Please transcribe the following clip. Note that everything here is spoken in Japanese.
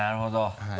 はい。